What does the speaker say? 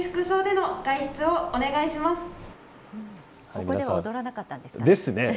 ここでは踊らなかったんですかね。ですね。